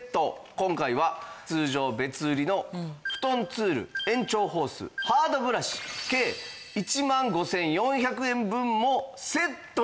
今回は通常別売りのフトンツール延長ホースハードブラシ計１万５４００円分もセットに致します。